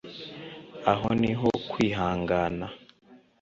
Aho ni ho kwihangana